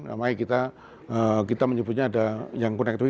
namanya kita menyebutnya ada yang connected